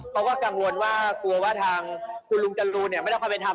เขาก็กังวลว่ากลัวว่าทางคุณลุงจรูเนี่ยไม่ได้ความเป็นธรรม